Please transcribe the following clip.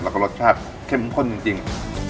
แล้วก็รสชาติเข้มข้นจริง